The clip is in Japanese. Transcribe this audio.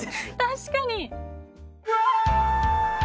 確かに。